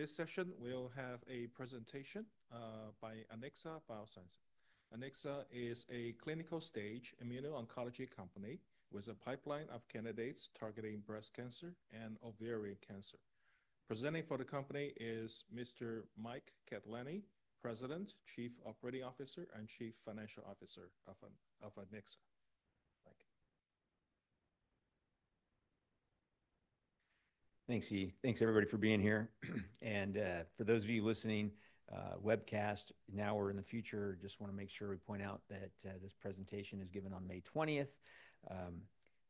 For this session, we'll have a presentation by Anixa Biosciences. Anixa is a clinical-stage immuno-oncology company with a pipeline of candidates targeting breast cancer and ovarian cancer. Presenting for the company is Mr. Mike Catelani, President, Chief Operating Officer, and Chief Financial Officer of Anixa. Mike. Thanks, Yi. Thanks, everybody, for being here. And for those of you listening webcast now or in the future, just want to make sure we point out that this presentation is given on May 20th.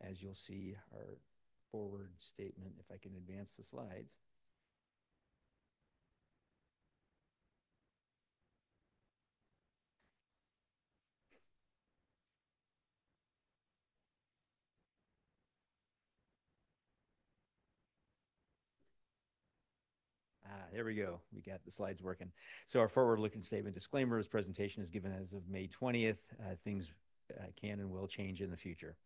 As you'll see our forward statement, if I can advance the slides. There we go. We got the slides working. So our forward-looking statement disclaimer: this presentation is given as of May 20th. Things can and will change in the future.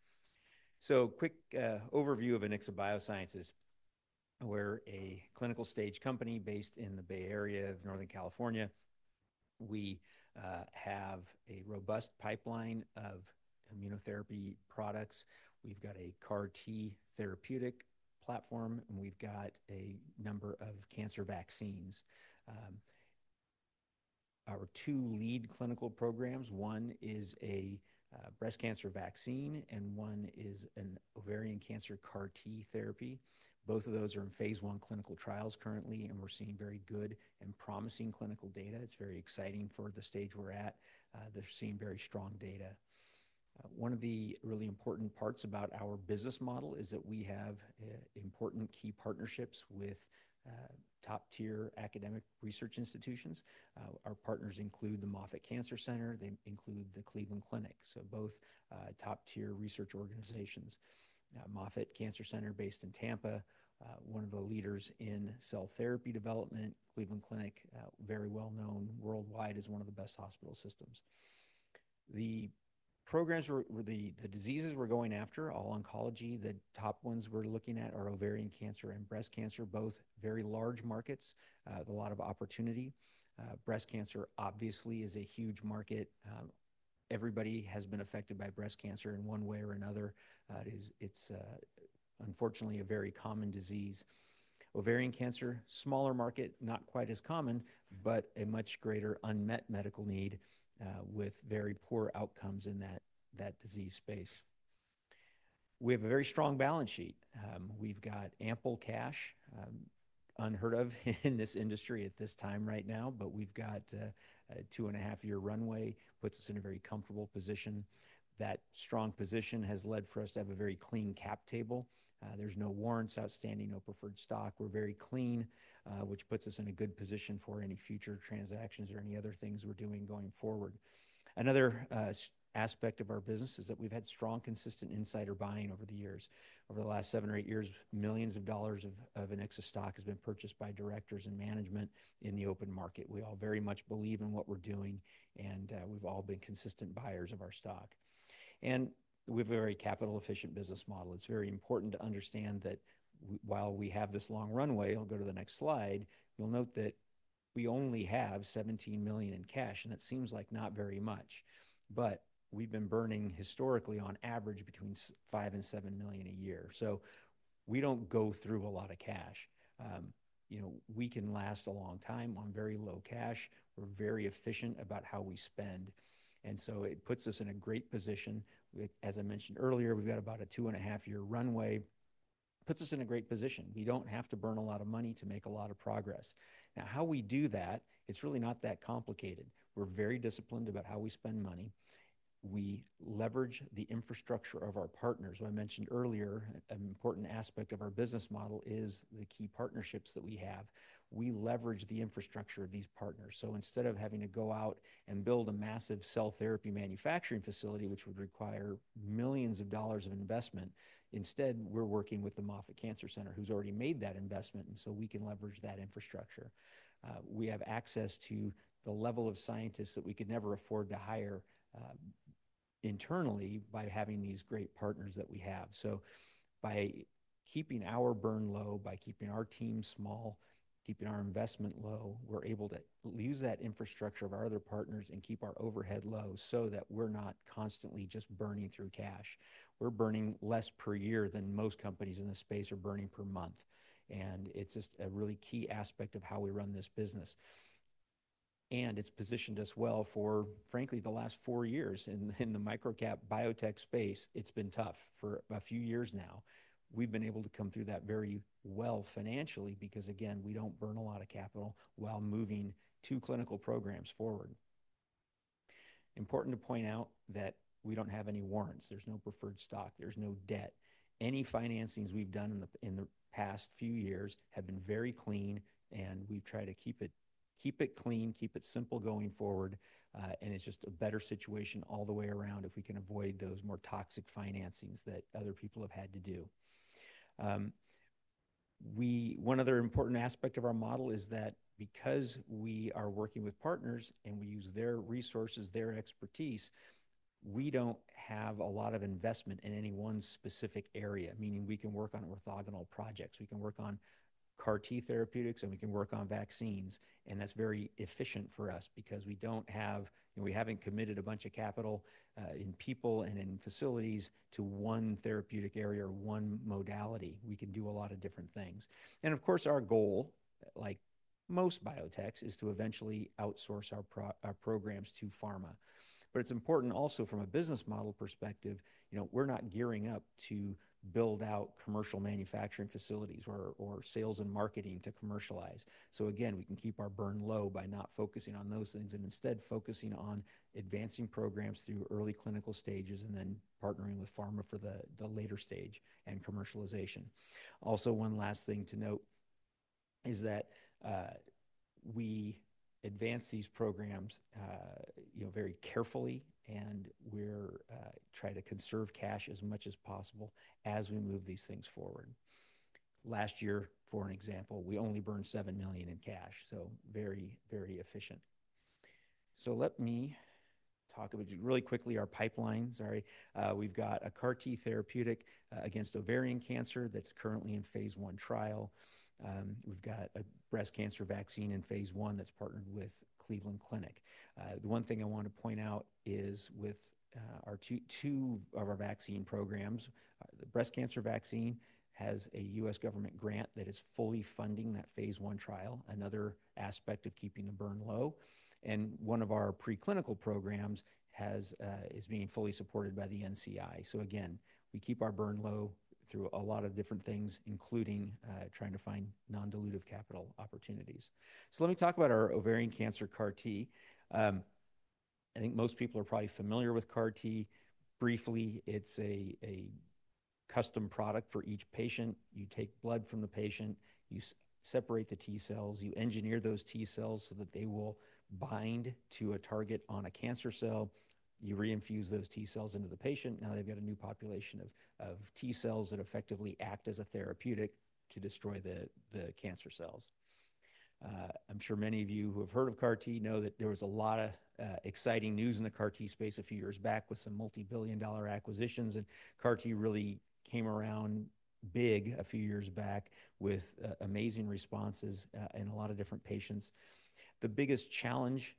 Quick overview of Anixa Biosciences. We're a clinical stage company based in the Bay Area of Northern California. We have a robust pipeline of immunotherapy products. We've got a CAR-T therapeutic platform, and we've got a number of cancer vaccines. Our two lead clinical programs: one is a breast cancer vaccine, and one is an ovarian cancer CAR-T therapy. Both of those are in phase I clinical trials currently, and we're seeing very good and promising clinical data. It's very exciting for the stage we're at. They're seeing very strong data. One of the really important parts about our business model is that we have important key partnerships with top-tier academic research institutions. Our partners include the Moffitt Cancer Center. They include the Cleveland Clinic, so both top-tier research organizations. Moffitt Cancer Center, based in Tampa, one of the leaders in cell therapy development. Cleveland Clinic, very well-known worldwide, is one of the best hospital systems. The diseases we're going after, all oncology, the top ones we're looking at are ovarian cancer and breast cancer, both very large markets with a lot of opportunity. Breast cancer, obviously, is a huge market. Everybody has been affected by breast cancer in one way or another. It's, unfortunately, a very common disease. Ovarian cancer, smaller market, not quite as common, but a much greater unmet medical need with very poor outcomes in that disease space. We have a very strong balance sheet. We've got ample cash, unheard of in this industry at this time right now, but we've got a two-and-a-half-year runway, which puts us in a very comfortable position. That strong position has led for us to have a very clean cap table. There's no warrants outstanding, no preferred stock. We're very clean, which puts us in a good position for any future transactions or any other things we're doing going forward. Another aspect of our business is that we've had strong, consistent insider buying over the years. Over the last seven or eight years, millions of dollars of Anixa stock have been purchased by directors and management in the open market. We all very much believe in what we're doing, and we've all been consistent buyers of our stock. We have a very capital-efficient business model. It's very important to understand that while we have this long runway I will go to the next slide you'll note that we only have $17 million in cash, and that seems like not very much. We have been burning, historically, on average between $5 million and $7 million a year. We do not go through a lot of cash. We can last a long time on very low cash. We are very efficient about how we spend. It puts us in a great position. As I mentioned earlier, we've got about a two-and-a-half-year runway. It puts us in a great position. We do not have to burn a lot of money to make a lot of progress. Now, how we do that, it's really not that complicated. We're very disciplined about how we spend money. We leverage the infrastructure of our partners. I mentioned earlier, an important aspect of our business model is the key partnerships that we have. We leverage the infrastructure of these partners. Instead of having to go out and build a massive cell therapy manufacturing facility, which would require millions of dollars of investment, instead, we're working with the Moffitt Cancer Center, who's already made that investment, and we can leverage that infrastructure. We have access to the level of scientists that we could never afford to hire internally by having these great partners that we have. By keeping our burn low, by keeping our team small, keeping our investment low, we're able to use that infrastructure of our other partners and keep our overhead low so that we're not constantly just burning through cash. We're burning less per year than most companies in this space are burning per month. It is just a really key aspect of how we run this business. It has positioned us well for, frankly, the last four years. In the microcap biotech space, it has been tough for a few years now. We have been able to come through that very well financially because, again, we do not burn a lot of capital while moving two clinical programs forward. Important to point out that we do not have any warrants. There is no preferred stock. There is no debt. Any financings we have done in the past few years have been very clean, and we have tried to keep it clean, keep it simple going forward. It is just a better situation all the way around if we can avoid those more toxic financings that other people have had to do. One other important aspect of our model is that because we are working with partners and we use their resources, their expertise, we do not have a lot of investment in any one specific area, meaning we can work on orthogonal projects. We can work on CAR-T therapeutics, and we can work on vaccines. That is very efficient for us because we do not have—we have not committed a bunch of capital in people and in facilities to one therapeutic area or one modality. We can do a lot of different things. Of course, our goal, like most biotech's, is to eventually outsource our programs to pharma. It is important also from a business model perspective. We are not gearing up to build out commercial manufacturing facilities or sales and marketing to commercialize. Again, we can keep our burn low by not focusing on those things and instead focusing on advancing programs through early clinical stages and then partnering with pharma for the later stage and commercialization. Also, one last thing to note is that we advance these programs very carefully, and we try to conserve cash as much as possible as we move these things forward. Last year, for example, we only burned $7 million in cash, so very, very efficient. Let me talk about really quickly our pipeline. Sorry. We've got a CAR-T therapeutic against ovarian cancer that's currently in phase one trial. We've got a breast cancer vaccine in phase one that's partnered with Cleveland Clinic. The one thing I want to point out is with two of our vaccine programs, the breast cancer vaccine has a U.S. government grant that is fully funding that phase I trial, another aspect of keeping the burn low. One of our preclinical programs is being fully supported by the NCI. Again, we keep our burn low through a lot of different things, including trying to find non-dilutive capital opportunities. Let me talk about our ovarian cancer CAR-T. I think most people are probably familiar with CAR-T. Briefly, it's a custom product for each patient. You take blood from the patient, you separate the T cells, you engineer those T cells so that they will bind to a target on a cancer cell. You reinfuse those T cells into the patient. Now they've got a new population of T cells that effectively act as a therapeutic to destroy the cancer cells. I'm sure many of you who have heard of CAR-T know that there was a lot of exciting news in the CAR-T space a few years back with some multi-billion dollar acquisitions. CAR-T really came around big a few years back with amazing responses in a lot of different patients. The biggest challenge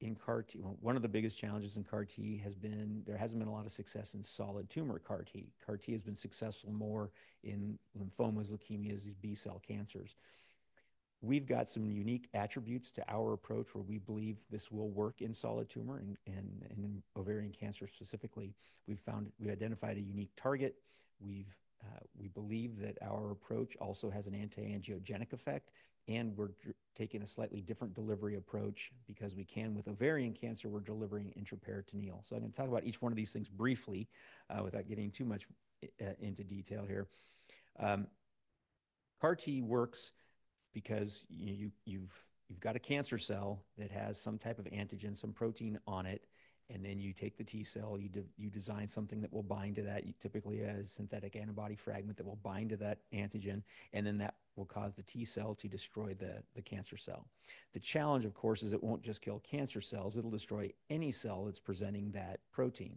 in CAR-T—one of the biggest challenges in CAR-T has been there hasn't been a lot of success in solid tumor CAR-T. CAR-T has been successful more in lymphomas, leukemias, these B-cell cancers. We've got some unique attributes to our approach where we believe this will work in solid tumor and in ovarian cancer specifically. We've identified a unique target. We believe that our approach also has an anti-angiogenic effect, and we're taking a slightly different delivery approach because we can—with ovarian cancer, we're delivering intraperitoneal. I'm going to talk about each one of these things briefly without getting too much into detail here. CAR-T works because you've got a cancer cell that has some type of antigen, some protein on it, and then you take the T cell, you design something that will bind to that, typically a synthetic antibody fragment that will bind to that antigen, and then that will cause the T cell to destroy the cancer cell. The challenge, of course, is it won't just kill cancer cells. It'll destroy any cell that's presenting that protein.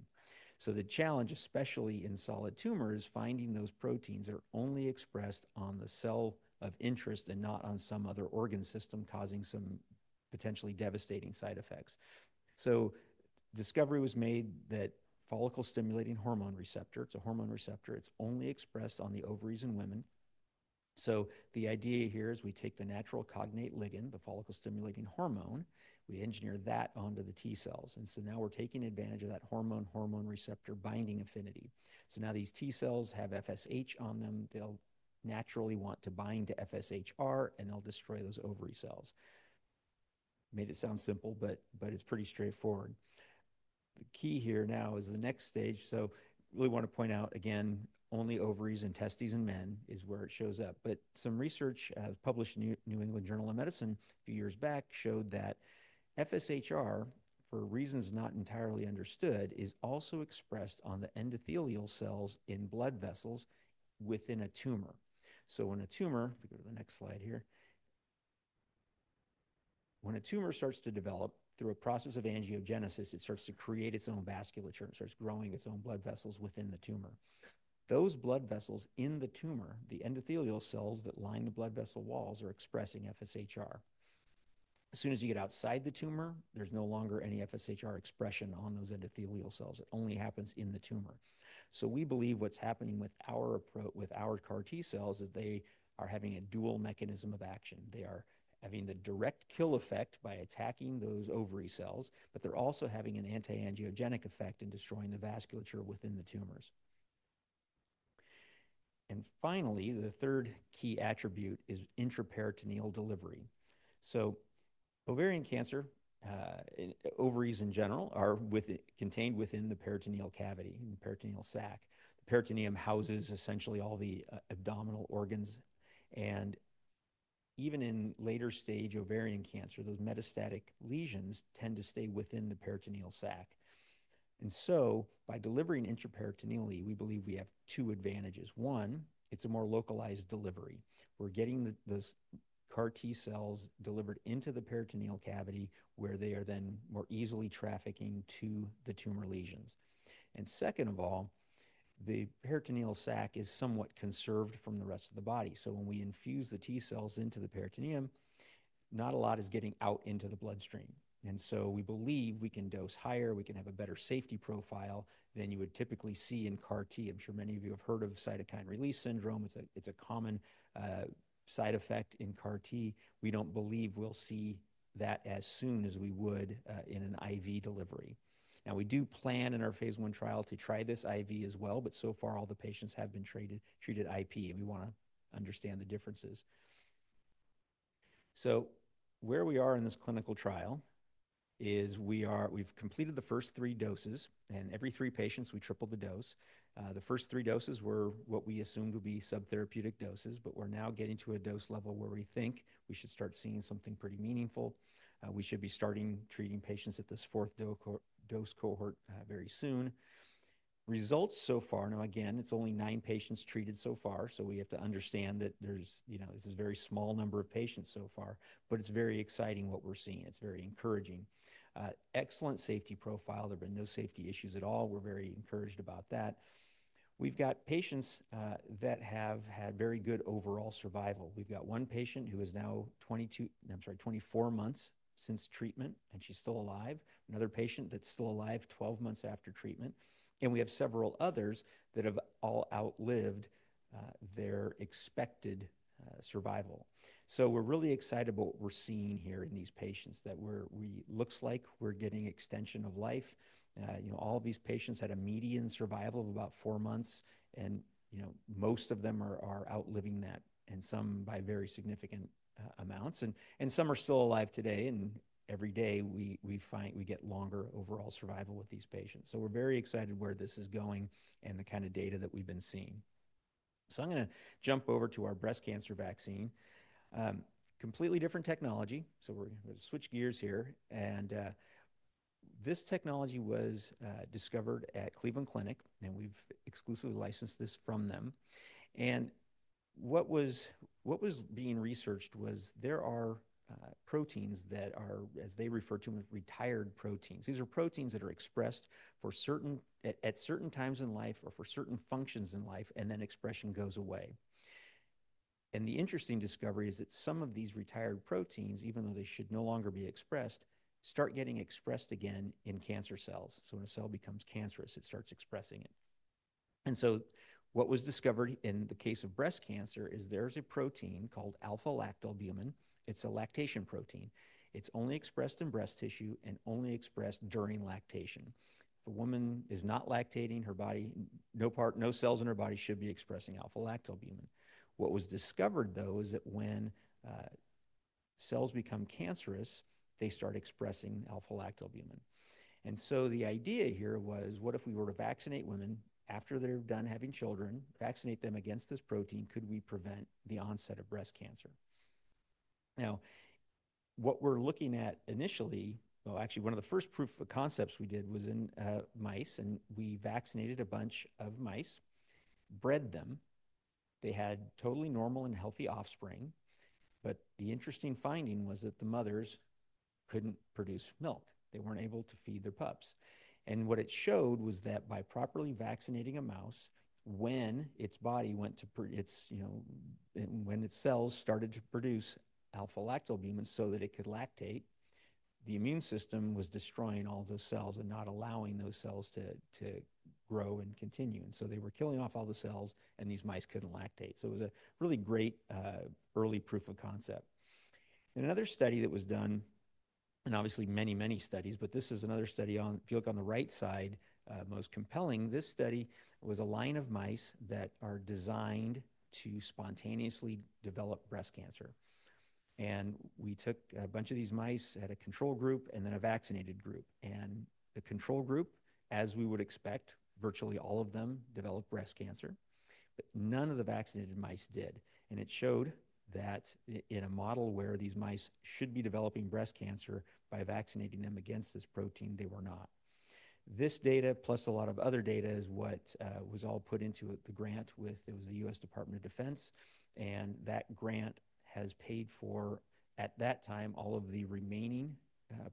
The challenge, especially in solid tumors, is finding those proteins that are only expressed on the cell of interest and not on some other organ system, causing some potentially devastating side effects. A discovery was made that follicle-stimulating hormone receptor—it's a hormone receptor—is only expressed on the ovaries in women. The idea here is we take the natural cognate ligand, the follicle-stimulating hormone, we engineer that onto the T cells. Now we're taking advantage of that hormone-hormone receptor binding affinity. Now these T cells have FSH on them. They'll naturally want to bind to FSHR, and they'll destroy those ovary cells. Made it sound simple, but it's pretty straightforward. The key here now is the next stage. I really want to point out, again, only ovaries and testes in men is where it shows up. Some research published in the New England Journal of Medicine a few years back showed that FSHR, for reasons not entirely understood, is also expressed on the endothelial cells in blood vessels within a tumor. When a tumor—if we go to the next slide here—when a tumor starts to develop through a process of angiogenesis, it starts to create its own vasculature and starts growing its own blood vessels within the tumor. Those blood vessels in the tumor, the endothelial cells that line the blood vessel walls, are expressing FSHR. As soon as you get outside the tumor, there is no longer any FSHR expression on those endothelial cells. It only happens in the tumor. We believe what is happening with our CAR-T cells is they are having a dual mechanism of action. They are having the direct kill effect by attacking those ovary cells, but they are also having an anti-angiogenic effect in destroying the vasculature within the tumors. Finally, the third key attribute is intraperitoneal delivery. Ovarian cancer, ovaries in general, are contained within the peritoneal cavity, the peritoneal sac. The peritoneum houses essentially all the abdominal organs. Even in later-stage ovarian cancer, those metastatic lesions tend to stay within the peritoneal sac. By delivering intraperitoneally, we believe we have two advantages. One, it is a more localized delivery. We are getting the CAR-T cells delivered into the peritoneal cavity where they are then more easily trafficking to the tumor lesions. Second of all, the peritoneal sac is somewhat conserved from the rest of the body. When we infuse the T cells into the peritoneum, not a lot is getting out into the bloodstream. We believe we can dose higher. We can have a better safety profile than you would typically see in CAR-T. I am sure many of you have heard of cytokine release syndrome. It is a common side effect in CAR-T. We don't believe we'll see that as soon as we would in an IV delivery. Now, we do plan in our phase I trial to try this IV as well, but so far, all the patients have been treated IP. We want to understand the differences. Where we are in this clinical trial is we've completed the first three doses, and every three patients, we tripled the dose. The first three doses were what we assumed would be subtherapeutic doses, but we're now getting to a dose level where we think we should start seeing something pretty meaningful. We should be starting treating patients at this fourth dose cohort very soon. Results so far—now again, it's only nine patients treated so far, so we have to understand that this is a very small number of patients so far, but it's very exciting what we're seeing. It's very encouraging. Excellent safety profile. There have been no safety issues at all. We're very encouraged about that. We've got patients that have had very good overall survival. We've got one patient who is now 24 months since treatment, and she's still alive. Another patient that's still alive 12 months after treatment. We have several others that have all outlived their expected survival. We're really excited about what we're seeing here in these patients that looks like we're getting extension of life. All of these patients had a median survival of about four months, and most of them are outliving that, and some by very significant amounts. Some are still alive today. Every day, we get longer overall survival with these patients. We're very excited where this is going and the kind of data that we've been seeing. I'm going to jump over to our breast cancer vaccine. Completely different technology. We're going to switch gears here. This technology was discovered at Cleveland Clinic, and we've exclusively licensed this from them. What was being researched was there are proteins that are, as they refer to them, retired proteins. These are proteins that are expressed at certain times in life or for certain functions in life, and then expression goes away. The interesting discovery is that some of these retired proteins, even though they should no longer be expressed, start getting expressed again in cancer cells. When a cell becomes cancerous, it starts expressing it. What was discovered in the case of breast cancer is there's a protein called alpha-lactalbumin. It's a lactation protein. It's only expressed in breast tissue and only expressed during lactation. If a woman is not lactating, no cells in her body should be expressing alpha-lactalbumin. What was discovered, though, is that when cells become cancerous, they start expressing alpha-lactalbumin. The idea here was, what if we were to vaccinate women after they're done having children, vaccinate them against this protein? Could we prevent the onset of breast cancer? Now, what we're looking at initially—actually, one of the first proof of concepts we did was in mice, and we vaccinated a bunch of mice, bred them. They had totally normal and healthy offspring. The interesting finding was that the mothers couldn't produce milk. They weren't able to feed their pups. What it showed was that by properly vaccinating a mouse when its body went to—when its cells started to produce alpha-lactalbumin so that it could lactate, the immune system was destroying all those cells and not allowing those cells to grow and continue. They were killing off all the cells, and these mice could not lactate. It was a really great early proof of concept. In another study that was done—and obviously, many, many studies—but this is another study on, if you look on the right side, most compelling. This study was a line of mice that are designed to spontaneously develop breast cancer. We took a bunch of these mice at a control group and then a vaccinated group. The control group, as we would expect, virtually all of them developed breast cancer. None of the vaccinated mice did. It showed that in a model where these mice should be developing breast cancer, by vaccinating them against this protein, they were not. This data, plus a lot of other data, is what was all put into the grant with—it was the U.S. Department of Defense. That grant has paid for, at that time, all of the remaining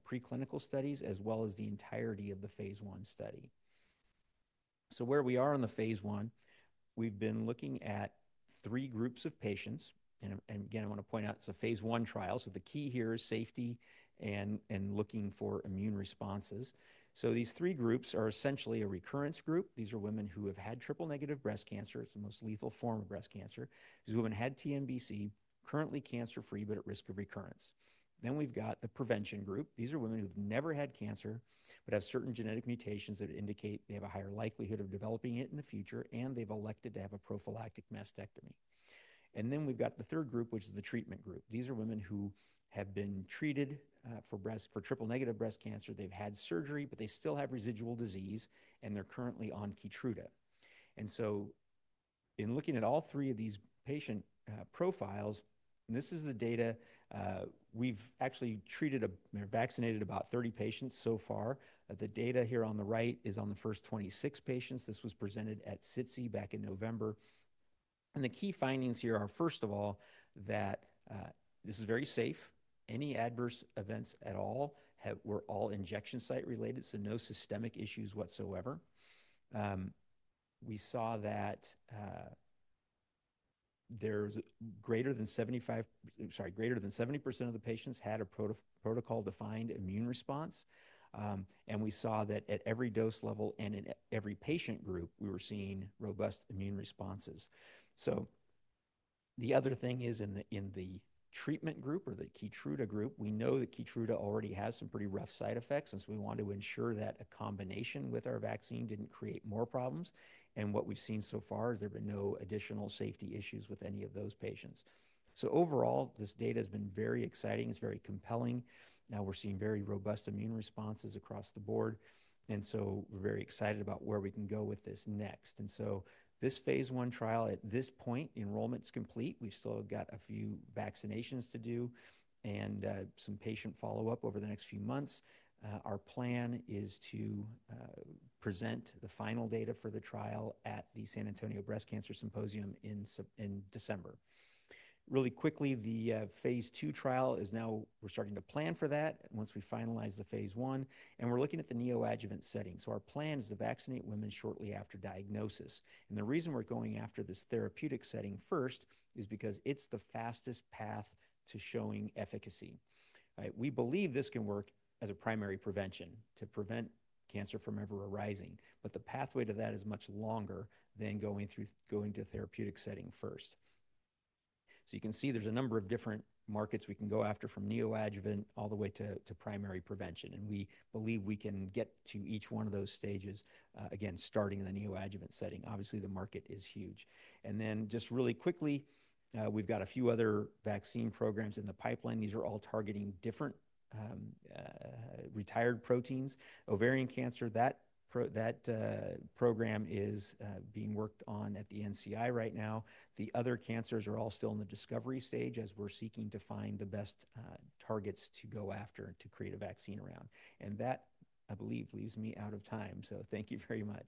preclinical studies as well as the entirety of the phase one study. Where we are on the phase one, we've been looking at three groups of patients. I want to point out it's a phase one trial. The key here is safety and looking for immune responses. These three groups are essentially a recurrence group. These are women who have had triple-negative breast cancer. It's the most lethal form of breast cancer. These women had TNBC, currently cancer-free, but at risk of recurrence. We have the prevention group. These are women who have never had cancer but have certain genetic mutations that indicate they have a higher likelihood of developing it in the future, and they have elected to have a prophylactic mastectomy. We have the third group, which is the treatment group. These are women who have been treated for triple-negative breast cancer. They have had surgery, but they still have residual disease, and they are currently on Keytruda. In looking at all three of these patient profiles, this is the data. We have actually treated or vaccinated about 30 patients so far. The data here on the right is on the first 26 patients. This was presented at SITC back in November. The key findings here are, first of all, that this is very safe. Any adverse events at all were all injection site related, so no systemic issues whatsoever. We saw that there's greater than 70% of the patients had a protocol-defined immune response. We saw that at every dose level and in every patient group, we were seeing robust immune responses. The other thing is in the treatment group or the Keytruda group, we know that Keytruda already has some pretty rough side effects since we want to ensure that a combination with our vaccine did not create more problems. What we've seen so far is there have been no additional safety issues with any of those patients. Overall, this data has been very exciting. It's very compelling. Now we're seeing very robust immune responses across the board. We are very excited about where we can go with this next. This phase I trial, at this point, enrollment's complete. We've still got a few vaccinations to do and some patient follow-up over the next few months. Our plan is to present the final data for the trial at the San Antonio Breast Cancer Symposium in December. Really quickly, the phase II trial is now—we're starting to plan for that once we finalize the phase I. We're looking at the neoadjuvant setting. Our plan is to vaccinate women shortly after diagnosis. The reason we're going after this therapeutic setting first is because it's the fastest path to showing efficacy. We believe this can work as a primary prevention to prevent cancer from ever arising. The pathway to that is much longer than going to therapeutic setting first. You can see there's a number of different markets we can go after from neoadjuvant all the way to primary prevention. We believe we can get to each one of those stages, again, starting in the neoadjuvant setting. Obviously, the market is huge. Just really quickly, we've got a few other vaccine programs in the pipeline. These are all targeting different retired proteins. Ovarian cancer, that program is being worked on at the NCI right now. The other cancers are all still in the discovery stage as we're seeking to find the best targets to go after and to create a vaccine around. I believe that leaves me out of time. Thank you very much.